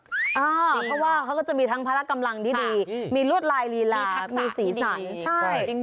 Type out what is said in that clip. เพราะว่าเขาก็จะมีทั้งพลักษณ์กำลังดีมีรวดลายรีลามีสีสัน